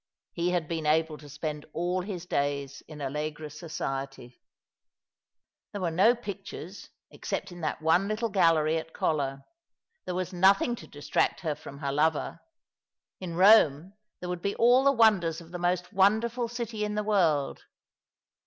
He had been able to spend all his days in Allegra's society. There were no pictures, except in that one little gallery at Colla. There v/as nothing to distract her from her lover. In Rome there would be all the wonders of the most wonderful city in the world.